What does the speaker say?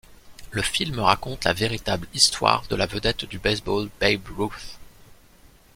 Le film raconte la véritable histoire de la vedette du baseball Babe Ruth.